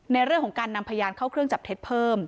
ในเรื่องของการนำพยานเข้าเครื่องจับเท็จเพิ่ม